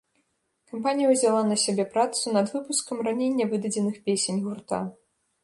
Кампанія ўзяла на сябе працу над выпускам раней нявыдадзеных песень гурта.